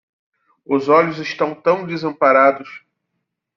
Os olhos estão tão desamparados